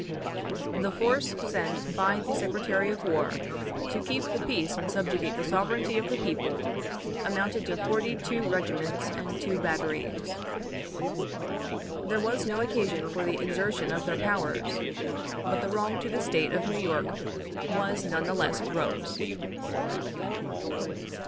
The force sent by the Secretary of War, to keep the peace and subjugate the sovereignty of the people, amounted to forty two regiments and two batteries. There was no occasion for the exertion of their powers, but the wrong to the State of New York was none the less gross.